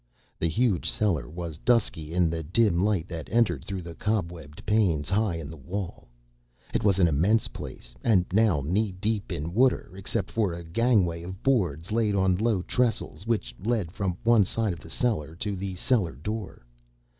The huge cellar was dusky in the dim light that entered through the cobwebbed panes, high in the wall. It was an immense place, and now knee deep in water, except for a gangway of boards laid on low trestles, which led from one side of the cellar to the cellar door.